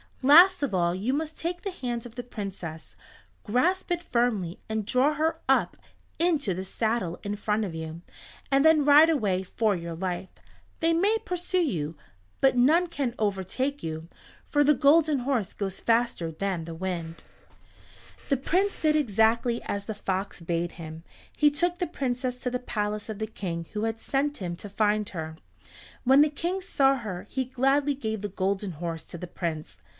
Last of all you must take the hand of the Princess. Grasp it firmly, and draw her up into the saddle in front of you, and then ride away for your life. They may pursue you, but none can overtake you, for the Golden Horse goes faster than the wind." The Prince did exactly as the fox bade him. He took the Princess to the palace of the King who had sent him to find her. When the King saw her he gladly gave the Golden Horse to the Prince.